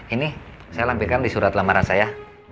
ini saya lampirkan di surat lamaran saya